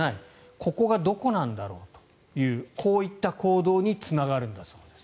ここがどこなんだろうというこういった行動につながるんだそうです。